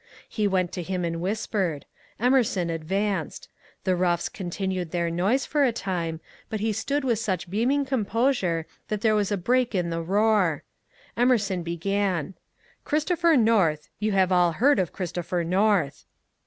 He went to him and whispered. Emerson advanced; the roughs continued their noise for a time, but he stood with such beaming composure that there was a break in the roar. Emerson began :" Christopher North — you have all heard of Christopher North."